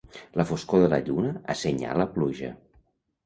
La foscor de la lluna assenyala pluja.